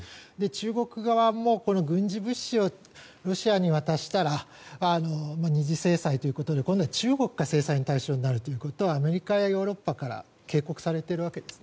中国側も軍事物資をロシアに渡したら２次制裁ということで中国が制裁の対象になるということをアメリカやヨーロッパから警告されているわけです。